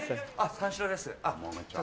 三四郎です。